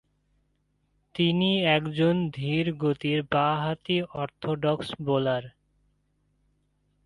তিনি একজন ধীরগতির বা-হাতি orthodox bowler.